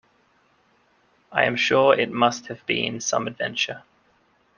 I am sure it must have been some adventure.